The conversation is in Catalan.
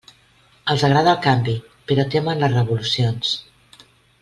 Els agrada el canvi; però temen les revolucions.